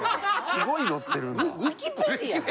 すごいのってるな。